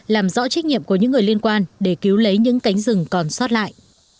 làm rõ trách nhiệm của những người liên quan để cứu lấy những cánh rừng còn sót lại